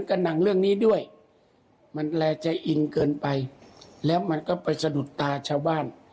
ลองฟังพระพระยอมดูนะคะ